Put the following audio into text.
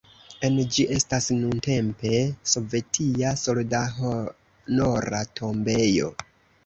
En ĝi estas nuntempe sovetia soldathonora tombejo.